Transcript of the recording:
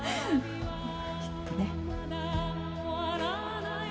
きっとね。